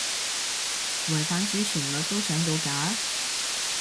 違反主旋律都上到架？